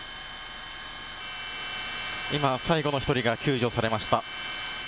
今、最後の１人が救助されました。